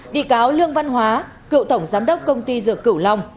bị cáo lương văn hóa cựu tổng giám đốc công ty dược cửu long